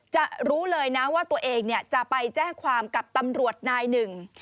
รู้เลยนะว่าตัวเองจะไปแจ้งความกับตำรวจนายหนึ่ง